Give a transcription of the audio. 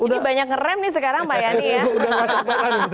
banyak ngerem nih sekarang pak yani ya